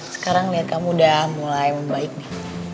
sekarang lihat kamu udah mulai membaik nih